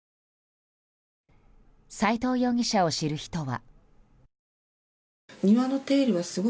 齋藤容疑者を知る人は。